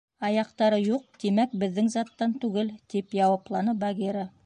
Аяҡтары юҡ, тимәк, беҙҙең заттан түгел, — тип яуапланы Багира.